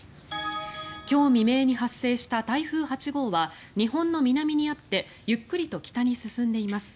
今日未明に発生した台風８号は日本の南にあってゆっくりと北に進んでいます。